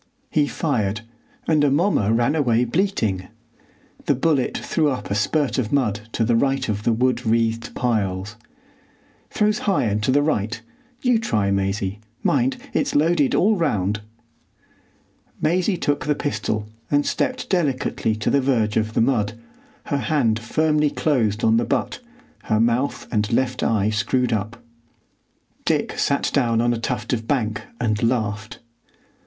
He fired, and Amomma ran away bleating. The bullet threw up a spurt of mud to the right of the wood wreathed piles. "Throws high and to the right. You try, Maisie. Mind, it's loaded all round." Maisie took the pistol and stepped delicately to the verge of the mud, her hand firmly closed on the butt, her mouth and left eye screwed up. Dick sat down on a tuft of bank and laughed.